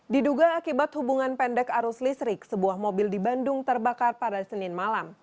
diduga akibat hubungan pendek arus listrik sebuah mobil di bandung terbakar pada senin malam